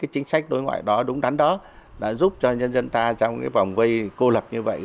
chính sách đối ngoại đó đúng đắn đó đã giúp cho nhân dân ta trong vòng vây cô lập như vậy